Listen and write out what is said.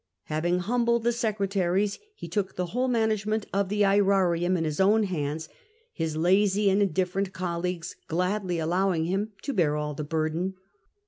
Having humbled the secretaries, he took the v^hole management of the Aerarium into his own hands, his lazy and indifferent colleagues gladly allowing him to bear all the burden.